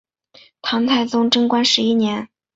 唐太宗贞观十一年。